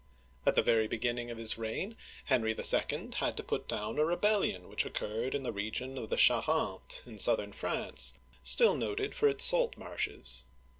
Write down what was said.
At the very beginning of his reign Henry II. had to put down a rebellion which occurred in the region of the Cha rente (sha raNt') in southern France, still noted for its salt marshes.